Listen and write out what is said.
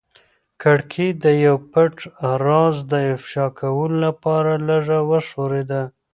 کړکۍ د یو پټ راز د افشا کولو لپاره لږه وښورېده.